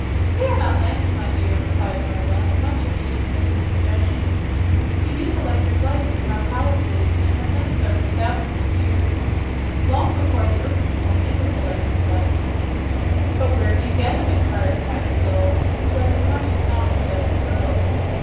"They are not lamps, my dear," replied Merla, much amused at this suggestion. "We use electric lights in our palaces and have done so for thousands of years long before the earth people knew of electric lights." "But where do you get 'em?" inquired Cap'n Bill, who was as much astonished as the girl.